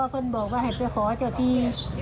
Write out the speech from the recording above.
เพื่อนบอกว่าให้ไปขอเจ้าที่